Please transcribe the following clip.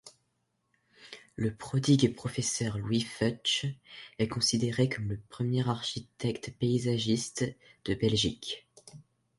Le prodigue professeur Louis Fuchs† est considéré comme le premier ‘Architecte paysagiste’ de Belgique.